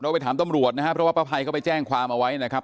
ไปถามตำรวจนะครับเพราะว่าป้าภัยเขาไปแจ้งความเอาไว้นะครับ